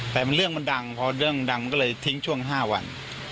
แต่บันดังใดก็ให้ถึงช่วง๕วัน